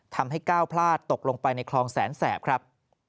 ทำให้ก้าวพลาดตกลงไปในคลองแสนแสบครับ